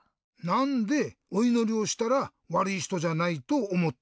なんでおいのりをしたらわるいひとじゃないとおもったの？